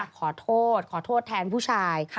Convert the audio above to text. มีคุณแพลมาว่าขอโทษขอโทษแทนผู้ชาย